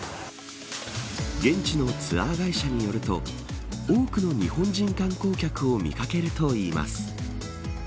現地のツアー会社によると多くの日本人観光客を見かけるといいます。